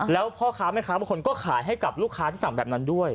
แล้วพ่อค้าแม่ค้าบางคนก็ขายให้กับลูกค้าที่สั่งแบบนั้นด้วย